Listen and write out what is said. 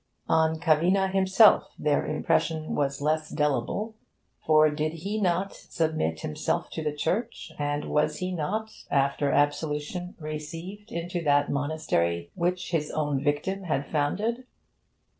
On Cavina himself their impression was less delible, for did he not submit himself to the Church, and was he not, after absolution, received into that monastery which his own victim had founded?